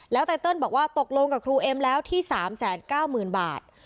ไตเติลบอกว่าตกลงกับครูเอ็มแล้วที่๓๙๐๐๐บาท